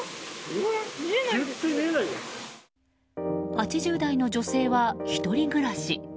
８０代の女性は１人暮らし。